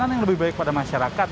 yang lebih baik pada masyarakat